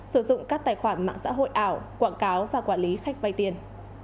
sử dụng các tài khoản mạng xã hội ảo quảng cáo và quản lý khách vay tiền